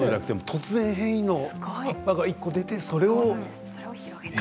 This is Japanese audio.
突然変異の葉っぱが１個出て、それを。